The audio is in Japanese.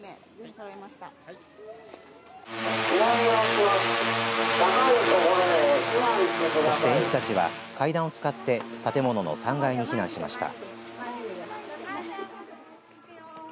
園児たちは階段を使って建物の３階に避難しました。